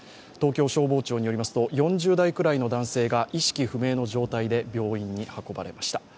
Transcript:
東京消防庁によりますと４０代くらいの男性が意識不明の状態で病院に運ばれました。